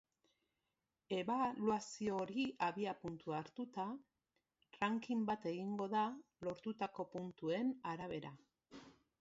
Ebaluazio hori abiapuntu hartuta, ranking bat egingo da, lortutako puntuen arabera.